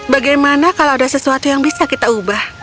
bagaimana kalau ada sesuatu yang bisa kita ubah